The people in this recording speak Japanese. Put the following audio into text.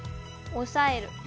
押さえる。